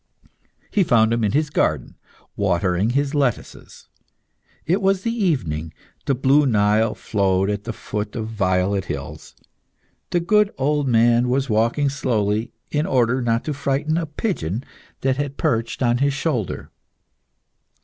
He found him in his garden watering his lettuces. It was the evening. The blue Nile flowed at the foot of violet hills. The good old man was walking slowly, in order not to frighten a pigeon that had perched on his shoulder.